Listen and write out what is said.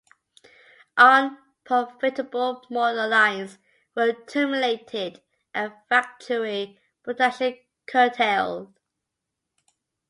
Unprofitable model lines were terminated, and factory production curtailed.